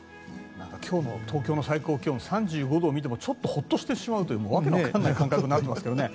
今日の東京の最高気温３５度を見てもちょっとホッとしてしまうという訳のわからない感覚になっていますからね。